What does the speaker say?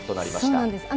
そうなんです。